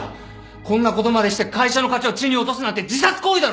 こんなことまでして会社の価値を地に落とすなんて自殺行為だろ！